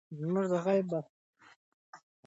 اوبه ونیسه.